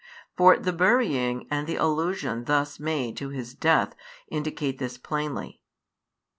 For the burying and the allusion thus made to His death indicate this plainly.